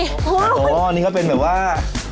โอ้โหนี่ก็เป็นแบบว่า